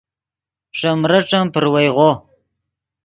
ݰے مریݯن پروئیغو